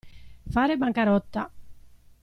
Fare bancarotta.